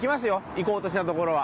行こうとしたところは。